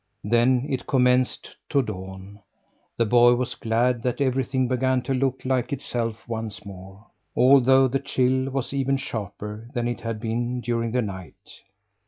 Then it commenced to dawn. The boy was glad that everything began to look like itself once more; although the chill was even sharper than it had been during the night.